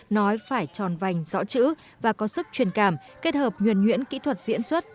nói phải tròn vành rõ chữ và có sức truyền cảm kết hợp nhuẩn nhuyễn kỹ thuật diễn xuất